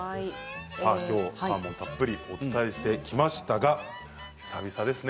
サーモンたっぷりお伝えしてきましたが久々ですね。